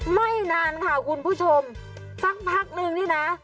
ไม่นานค่ะคุณผู้ชมสักพักนึงนี่นะ